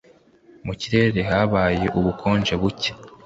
Mu kirere habaye ubukonje buke